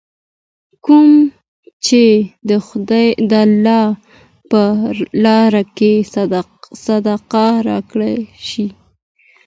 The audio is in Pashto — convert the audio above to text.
کوم چې د الله په لاره کي صدقه کړل شي .